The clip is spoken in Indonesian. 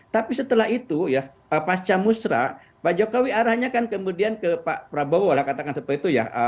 tapi setelah itu ya pasca musra pak jokowi arahnya kan kemudian ke pak prabowo lah katakan seperti itu ya